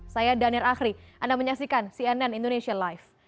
saya danir akhri anda menyaksikan cnn indonesia live